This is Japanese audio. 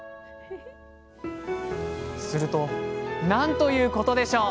するとなんということでしょう。